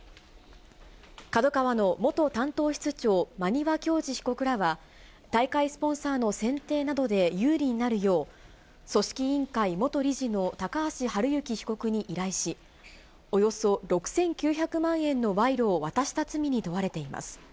ＫＡＤＯＫＡＷＡの元担当室長、馬庭教二被告らは、大会スポンサーの選定などで有利になるよう、組織委員会元理事の高橋治之被告に依頼し、およそ６９００万円の賄賂を渡した罪に問われています。